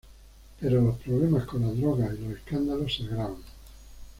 Pero los problemas con las drogas y los escándalos se agravan.